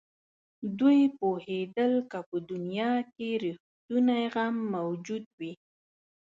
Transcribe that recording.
دوی پوهېدل که په دنیا کې رښتونی غم موجود وي.